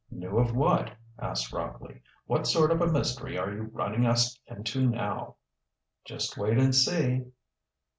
"Knew of what?" asked Rockley. "What sort of a mystery are you running us into now?" "Just wait and see."